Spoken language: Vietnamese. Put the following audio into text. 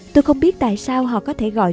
tôi không biết tại sao họ có thể gọi